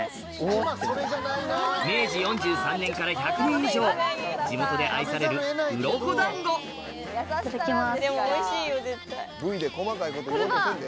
明治４３年から１００年以上地元で愛されるいただきます。